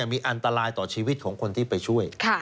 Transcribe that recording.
มีอันตรายต่อชีวิตของคนที่ไปช่วย